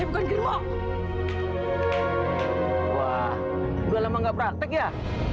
wah udah lama gak praktek ya